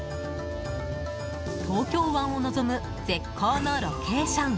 東京湾を望む絶好のロケーション！